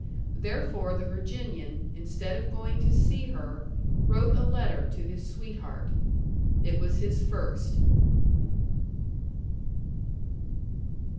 Therefore the Virginian, instead of going to see her, wrote a letter to his sweetheart. It was his first.